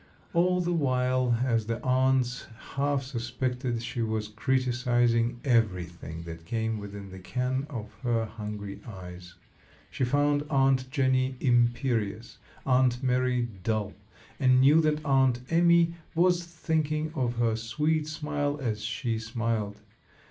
All the while, as the aunts half suspected, she was criticising everything that came within the ken of her hungry eyes. She found Aunt Jenny imperious, Aunt Mary dull, and knew that Aunt Amy was thinking of her sweet smile as she smiled.